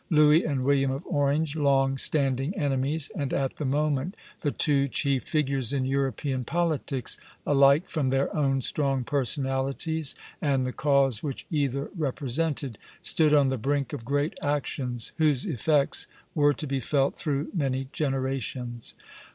Louis and William of Orange, long standing enemies, and at the moment the two chief figures in European politics, alike from their own strong personalities and the cause which either represented, stood on the brink of great actions, whose effects were to be felt through many generations.